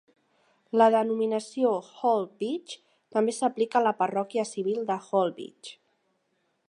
La denominació "Holbeach" també s'aplica a la parròquia civil de Holbeach.